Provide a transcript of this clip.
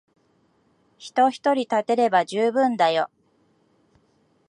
人ひとり立てれば充分だよ。